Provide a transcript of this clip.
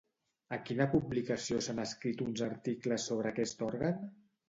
A quina publicació s'han escrit uns articles sobre aquest òrgan?